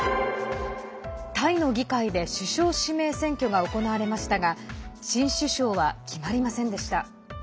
タイの議会で首相指名選挙が行われましたが新首相は決まりませんでした。